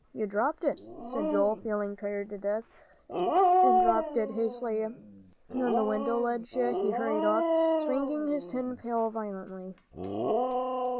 You dropped it," said Joel, feeling tired to death. And dropping it hastily on the window ledge he hurried off, swinging his tin pail violently.